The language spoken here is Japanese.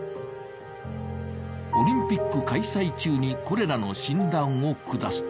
オリンピック開催中にコレラの診断を下す。